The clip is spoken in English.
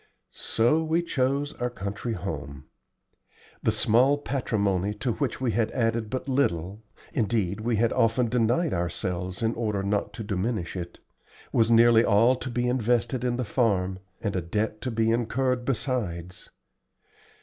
So we chose our country home. The small patrimony to which we had added but little (indeed we had often denied ourselves in order not to diminish it) was nearly all to be invested in the farm, and a debt to be incurred, besides.